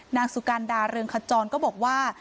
นางสุกันดาเรืองขจรก็บอกว่า